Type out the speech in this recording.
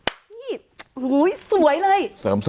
โอ้โยยสวยเลย